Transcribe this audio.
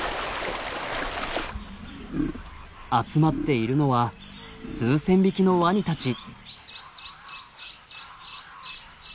集まっているのは数千匹のワニたち。